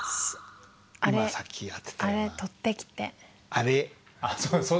「あれ」？